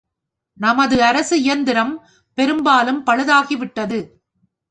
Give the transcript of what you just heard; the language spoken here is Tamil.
நமது அரசு இயந்திரம் பெரும்பாலும் பழுதாகிவிட்டது.